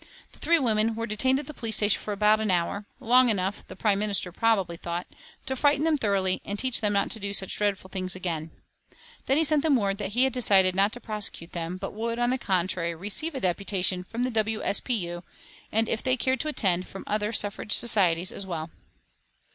The three women were detained at the police station for about an hour, long enough, the Prime Minister probably thought, to frighten them thoroughly and teach them not to do such dreadful things again. Then he sent them word that he had decided not to prosecute them, but would, on the contrary, receive a deputation from the W. S. P. U., and, if they cared to attend, from other suffrage societies as well.